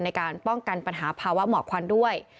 ในการป้องกันปัญหาภาวะหมอกควันด้วย